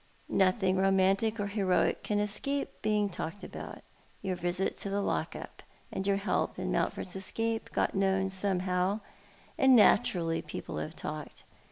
Nothing romantic or heroic can escape being talked about. Your visit to the lock up, and your help in Mountford's escape got known somehow — and naturally people have talked.